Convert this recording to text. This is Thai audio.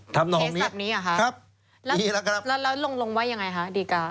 เทสต์แบบนี้หรอครับแล้วลงไว้ยังไงฮะดีการ์